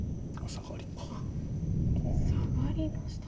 サガりました。